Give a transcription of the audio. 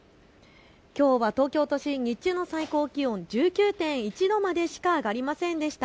きょうは東京都心、日中の最高気温１９．１度までしか上がりませんでした。